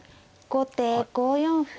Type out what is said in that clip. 後手５四歩。